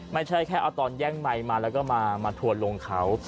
ไม่ใช่แค่เอาตอนแย่งไมค์มาแล้วก็มาทัวร์ลงเขา